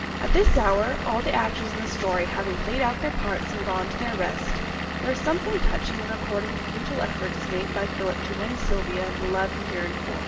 At this hour, all the actors in this story having played out their parts and gone to their rest, there is something touching in recording the futile efforts made by Philip to win from Sylvia the love he yearned for.